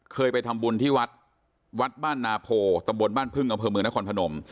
เคยไปทำบุญที่วัดวัดบ้านนาโพตำบลบ้านพึ่งอำเภอเมืองนครพนม